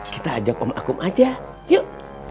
kita ajak om akum aja yuk